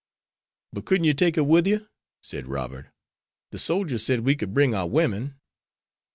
"But couldn't you take her with you," said Robert, "the soldiers said we could bring our women."